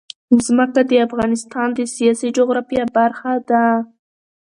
ځمکه د افغانستان د سیاسي جغرافیه برخه ده.